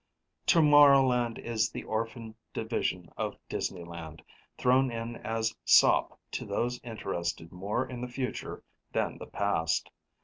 Tomorrowland is the orphan division of Disneyland, thrown in as sop to those interested more in the future than the past.